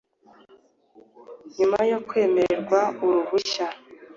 nyuma yo kwemererwa uruhushya